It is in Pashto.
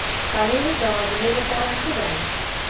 پنېر د هاضمې لپاره ښه دی.